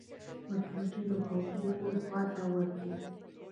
مچمچۍ د خوږ بوی خواته ورځي